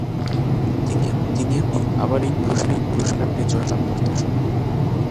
তিনি এর পরবর্তী আবার এই পুরস্কারটি জয়লাভ করতে সক্ষম হন।